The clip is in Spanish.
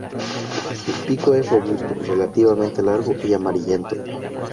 Su pico es robusto, relativamente largo y amarillento.